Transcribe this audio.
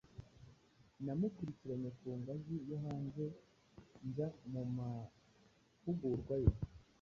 Namukurikiranye ku ngazi yo hanze njya mu mahugurwa ye,